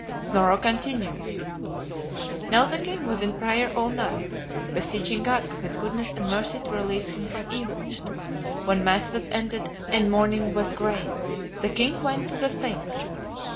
Snorro continues: "Now the king was in prayer all night, beseeching God of his goodness and mercy to release him from evil. When mass was ended, and morning was gray, the king went to the Thing.